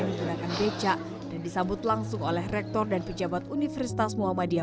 menggunakan becak dan disambut langsung oleh rektor dan pejabat universitas muhammadiyah